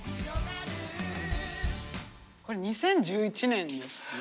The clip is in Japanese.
これ２０１１年ですね。